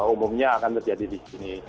umumnya akan terjadi di sini